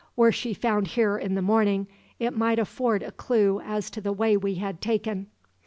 Were she found here in the morning, it might afford a clue as to the way we had taken."